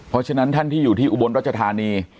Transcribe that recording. เพราะฉะนั้นท่านที่อยู่ที่อุบลรัชธานี